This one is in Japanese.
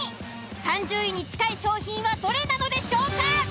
３０位に近い商品はどれなのでしょうか。